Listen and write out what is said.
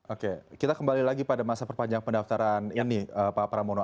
oke kita kembali lagi pada masa perpanjang pendaftaran ini pak pramono